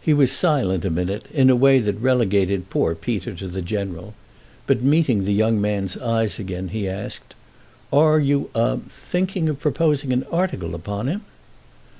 He was silent a minute, in a way that relegated poor Peter to the general; but meeting the young man's eyes again he asked: "Are you—a—thinking of proposing an article upon him?"